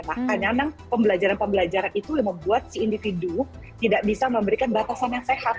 makanya memang pembelajaran pembelajaran itu yang membuat si individu tidak bisa memberikan batasan yang sehat